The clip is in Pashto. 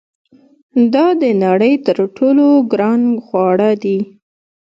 دا د نړۍ تر ټولو ګران خواړه دي.